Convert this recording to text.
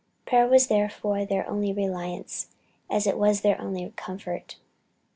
Prayer was therefore their only reliance, as it was their only comfort.